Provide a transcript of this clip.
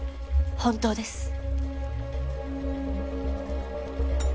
本当です。